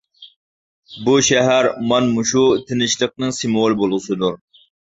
بۇ شەھەر مانا مۇشۇ تىنچلىقنىڭ سىمۋولى بولغۇسىدۇر.